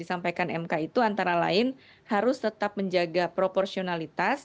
jadi tadi panduan yang disampaikan mk itu antara lain harus tetap menjaga proporsionalitas